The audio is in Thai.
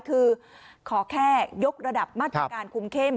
คือขอแค่ยกระดับมาตรการคุมเข้ม